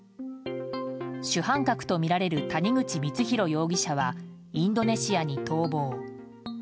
主犯格とみられる谷口光弘容疑者はインドネシアに逃亡。